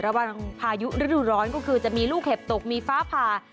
ระวังพายุฤดูร้อนก็คือจะมีลูกเห็บตกมีฟ้าผ่า